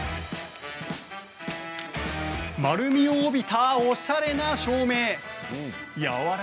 丸みを帯びたおしゃれな照明。